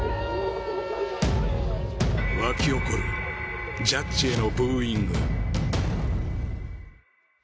沸き起こるジャッジへのブーイング。